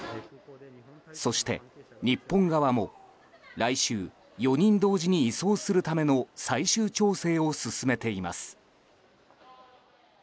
そして日本側も来週、４人同時に移送するための最終調整を進めています。